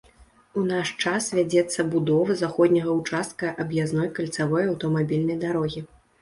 У наш час вядзецца будова заходняга ўчастка аб'язной кальцавой аўтамабільнай дарогі.